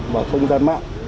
và không gian mạng